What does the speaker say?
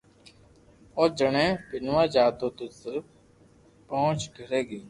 او جڻي پينوا جاتو تو صرف پئنچ گھرو